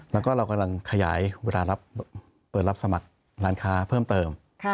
แล้วก็เรากำลังขยายเวลาเปิดรับสมัครร้านค้าเพิ่มเติม